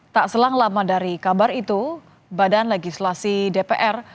tak selang lama dari kabar itu badan legislasi dpr